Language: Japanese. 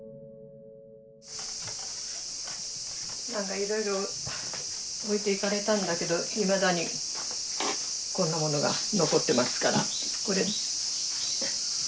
なんかいろいろ置いていかれたんだけどいまだにこんなものが残ってますからこれ。